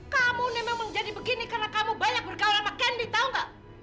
kamu memang menjadi begini karena kamu banyak bergaul sama candy tahu gak